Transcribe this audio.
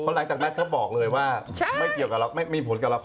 คนหลายจากแมทเขาบอกเลยว่าไม่เกี่ยวกับเราไม่มีผลกับละคร